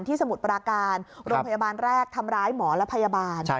สมุทรปราการโรงพยาบาลแรกทำร้ายหมอและพยาบาล